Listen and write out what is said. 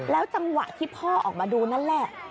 จังหวะที่พ่อออกมาดูนั่นแหละ